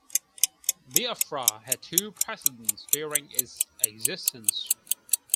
Biafra had two presidents during its existence.